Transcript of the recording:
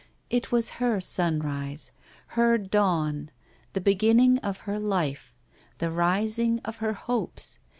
It was her sunrise ! her dawn ! the beginning of her life ! the rising of her hopes